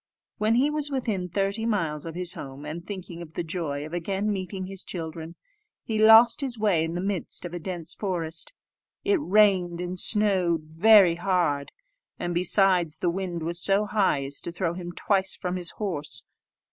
When he was within thirty miles of his home, and thinking of the joy of again meeting his children, he lost his way in the midst of a dense forest. It rained and snowed very hard, and, besides, the wind was so high as to throw him twice from his horse.